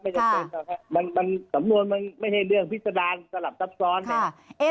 ไม่จำเป็นค่ะสำนวนมันไม่เห้อเรื่องพิสดารสลับตับซ้อนเนี่ย